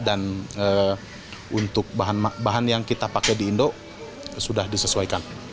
dan untuk bahan bahan yang kita pakai di indo sudah disesuaikan